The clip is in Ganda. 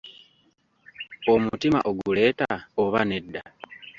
Omutima oguleeta, oba nedda?